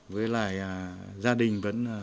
với lại gia đình vẫn